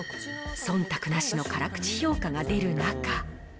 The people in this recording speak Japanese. そんたくなしの辛口評価が出る中。